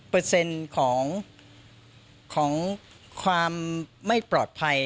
เปอร์เซ็นต์ของความไม่ปลอดภัย